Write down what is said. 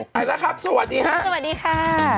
ไปนะครับสวัสดีค่ะสวัสดีค่ะสวัสดีค่ะ